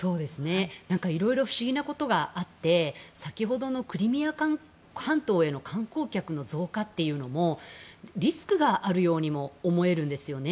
色々不思議なことがあって先ほどのクリミア半島への観光客の増加というのもリスクがあるようにも思えるんですよね。